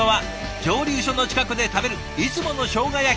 蒸留所の近くで食べるいつものしょうが焼き。